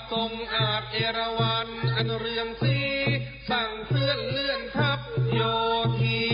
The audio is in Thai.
สมอาจเอราวัณอนเรื่องซีสั่งเพื่อนเรื่องทัพโยธี